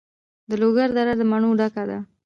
د لوګر دره د مڼو ډکه ده.